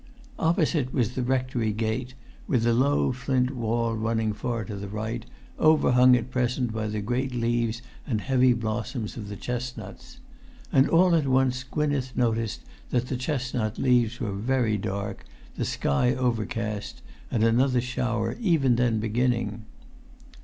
Opposite was the rectory gate, with the low flint wall running far to the right, overhung at present by the great leaves and heavy blossoms of the chestnuts. And all at once Gwynneth noticed that the chestnut leaves were very dark, the sky overcast, and another shower even then beginning.